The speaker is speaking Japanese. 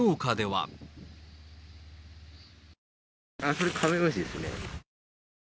これ、カメムシですね。